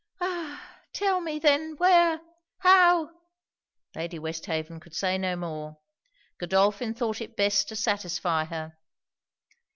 'Ah! tell me, then, where? how?' Lady Westhaven could say no more. Godolphin thought it best to satisfy her.